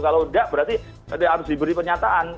kalau tidak berarti harus diberi pernyataan